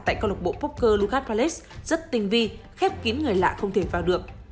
tại câu lạc bộ bóc cơ lucas palace rất tinh vi khép kín người lạ không thể vào được